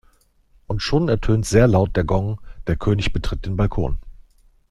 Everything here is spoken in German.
Und schon ertönt sehr laut der Gong, der König betritt den Balkon.